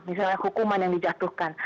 misalnya hukuman yang dijatuhkan